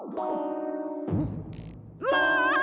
うわ！